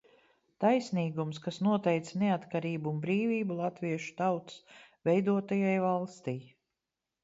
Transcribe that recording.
Taisnīgums, kas noteica neatkarību un brīvību latviešu tautas veidotajai valstij.